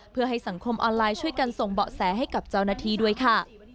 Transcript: เพื่อให้สังคมออนไลน์ช่วยกันส่งเบาะแสให้กับเจ้าหน้าที่ด้วยค่ะ